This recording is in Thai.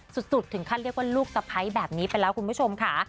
สุดถึงขั้นเรียกว่าลูกสะพ้ายแบบนี้ไปแล้วคุณผู้ชมค่ะ